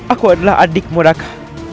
aku adalah adikmu raka